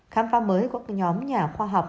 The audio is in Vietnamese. khám phá mới của nhóm nhà khoa học